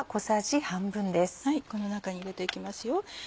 この中に入れて行きますよ。